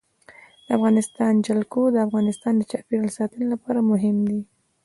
د افغانستان جلکو د افغانستان د چاپیریال ساتنې لپاره مهم دي.